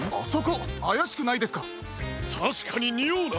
たしかににおうな。